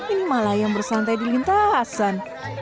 ini malah yang bersantai di lintasan